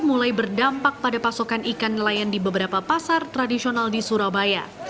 mulai berdampak pada pasokan ikan nelayan di beberapa pasar tradisional di surabaya